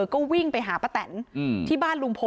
ก็วิ่งไปหาป้าแตนที่บ้านลุงพล